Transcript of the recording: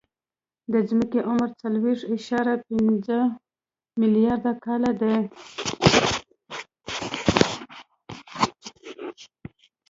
د ځمکې عمر څلور اعشاریه پنځه ملیارده کاله دی.